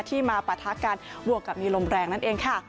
มาปะทะกันบวกกับมีลมแรงนั่นเองค่ะ